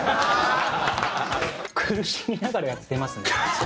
苦しみながらやってますね。